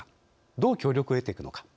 どう協力を得ていくのか。